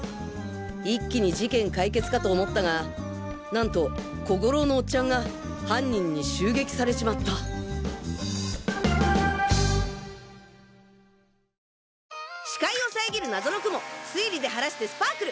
一気に事件解決かと思ったがなんと小五郎のおっちゃんが犯人に襲撃されちまった視界を遮る謎の雲推理で晴らしてスパークル！